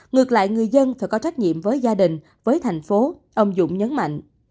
ngược lại người dân phải có trách nhiệm với gia đình với thành phố ông dũng nhấn mạnh